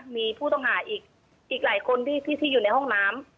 มีผู้ต้องหาอีกหลายคนที่อยู่ในห้องน้ำ